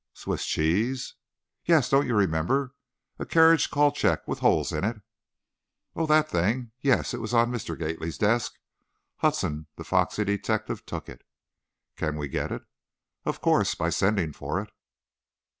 "Swiss cheese?" "Yes; don't you remember? A carriage call check with holes in it." "Oh, that thing. Yes; it was on Mr. Gately's desk, Hudson, the foxy detective, took it." "Can we get it?" "Of course, by sending for it."